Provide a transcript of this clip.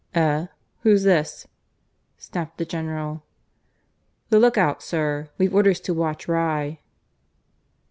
"Eh? Who's this?" snapped the General. "The look out, sir. We've orders to watch Rye."